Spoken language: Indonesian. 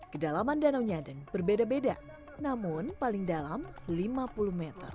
kedalaman danau nyadeng berbeda beda namun paling dalam lima puluh meter